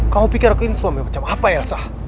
kamu pikir aku ini suami macam apa elsa